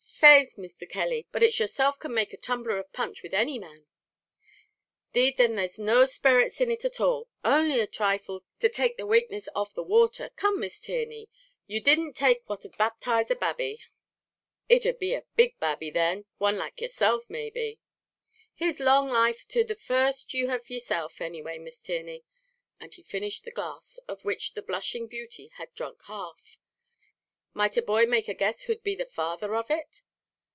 "Faix, Mr. Kelly, but it's yourself can make a tumbler of punch with any man." "'Deed then there's no sperrits in it at all only a thrifle to take the wakeness off the water. Come, Miss Tierney, you didn't take what'd baptize a babby." "It'd be a big babby then; one like yerself may be." "Here's long life to the first you have yerself, any way, Miss Tierney!" and he finished the glass, of which the blushing beauty had drunk half. "Might a boy make a guess who'd be the father of it?"